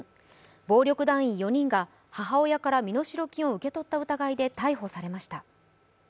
暴力団員４人が母親から身代金を受け取った疑いで逮捕されました。